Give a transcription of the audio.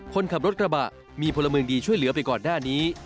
คนขับรถกระบะมีพลเมืองดีช่วยเหลือไปก่อนหน้านี้